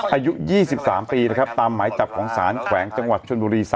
อายุ๒๓ปีนะครับตามหมายจับของสารแขวงจังหวัดชนบุรี๓